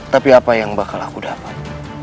tapi apa yang bakal aku dapat